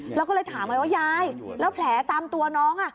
แล้วก็เลยถามไงว่ายายแล้วแผลตามตัวน้อง